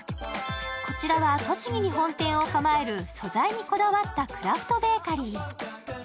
こちらは栃木に本店を構える素材にこだわったクラフトベーカリー。